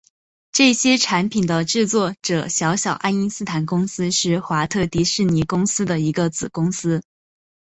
这些产品的制作者小小爱因斯坦公司是华特迪士尼公司的一个子公司。